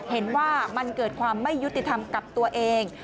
เห็นว่ามันเกิดความไม่ยุติธรรมกับตัวเอง